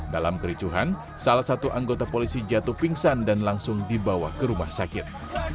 dalam kericuhan salah satu anggota polisi jatuh pingsan dan langsung dibawa ke rumah sakit